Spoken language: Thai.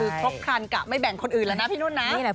คือพบคันกะไม่แบ่งคนอื่นแล้วนะพี่นุ่นนะนี่แหละ